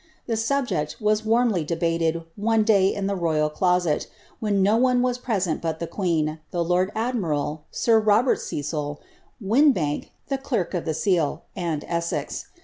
The subject was warmly debated one Jjv in the royal closet, when no one was present but the queen, the lonJ admiral, sir Robert Cecil, Windebank, clerk of the seal, and E*sfi.